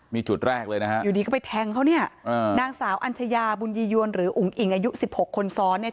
มีจุดแรกเลยนะฮะอยู่ดีก็ไปแทงเขาเนี่ยนางสาวอัญชยาบุญยียวนหรืออุ๋งอิ่งอายุสิบหกคนซ้อนเนี่ย